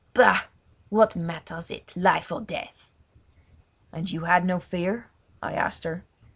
Bah! what matters it—life or death?" "And had you no fear?" I asked her.